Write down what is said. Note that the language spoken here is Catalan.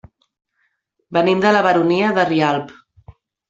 Venim de la Baronia de Rialb.